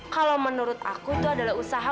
kalau menurut aku itu adalah usaha